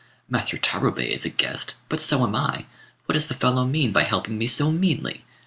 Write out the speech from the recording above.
Master Tarubei is a guest, but so am I: what does the fellow mean by helping me so meanly?